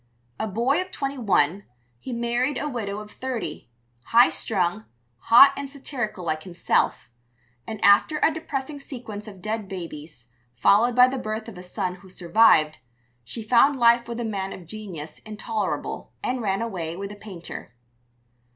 A boy of twenty one, he married a widow of thirty, high strung, hot and satirical like himself; and after a depressing sequence of dead babies, followed by the birth of a son who survived, she found life with a man of genius intolerable, and ran away with a painter.